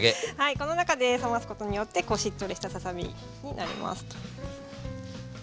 この中で冷ますことによってこうしっとりしたささ身になりますと。